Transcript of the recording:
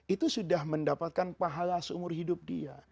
itu sudah mendapatkan pahala seumur hidup dia